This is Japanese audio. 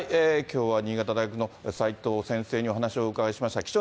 きょうは新潟大学の齋藤先生にお話をお伺いしました。